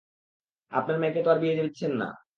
আপনার মেয়েকে তো আর বিয়ে দিচ্ছেন না?